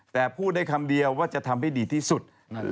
แต่พูดได้คำเดียวว่าจะทำให้ดีที่สุด